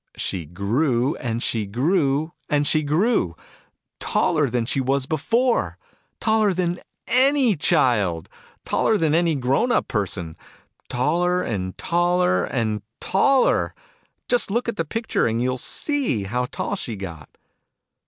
She grew, and she grew, and she grew. Taller than she was before ! Taller than any child ! Taller than any grown up person ! Taller, Digitized by Google 8 THE NURSERY "ALICE." and taller, and taller ! Just look at the picture, and you'll see how tall she got